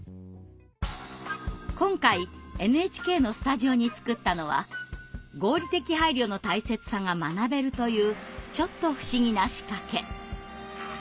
今回ＮＨＫのスタジオに作ったのは合理的配慮の大切さが学べるというちょっと不思議な仕掛け。